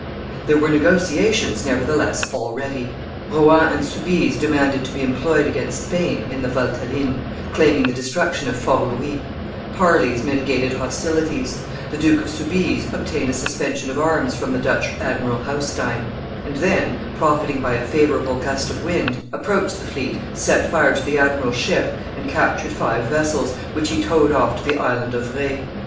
There were negotiations, nevertheless, already. Rohan and Soubise demanded to be employed against Spain in the Valteline, claiming the destruction of Fort Louis; parleys mitigated hostilities; the Duke of Soubise obtained a suspension of arms from the Dutch Admiral Haustein, and then, profiting by a favorable gust of wind, approached the fleet, set fire to the admiral's ship, and captured five vessels, which he towed off to the Island of Re.